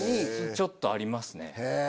ちょっとありますね。